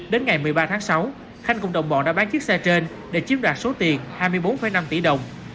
đến ngày một mươi ba tháng sáu khanh cùng đồng bọn đã bán chiếc xe trên để chiếm đoạt số tiền hai mươi bốn năm tỷ đồng